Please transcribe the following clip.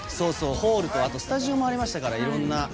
ホールとスタジオもありましたから。